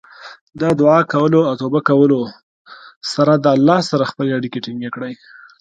د دعا کولو او توبه کولو سره د الله سره خپلې اړیکې ټینګې کړئ.